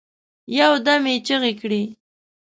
یو دم یې چیغي کړې